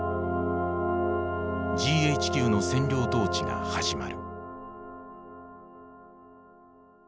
ＧＨＱの占領統治が始まる。